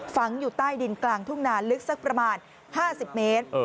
ฝังอยู่ใต้ดินกลางทุ่งนาลึกสักประมาณ๕๐เมตร